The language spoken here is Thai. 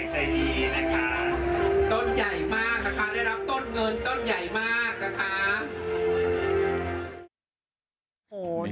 ใจดีนะคะต้นใหญ่มากนะคะได้รับต้นเงินต้นใหญ่มากนะคะ